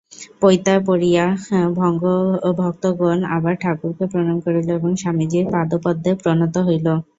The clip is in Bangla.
পৈতা পরিয়া ভক্তগণ আবার ঠাকুরকে প্রণাম করিল, এবং স্বামীজীর পাদপদ্মে প্রণত হইল।